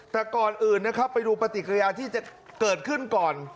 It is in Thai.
แต่ก่อนอื่นนะครับไปดูปฏิกิริยาที่จะเกิดขึ้นก่อน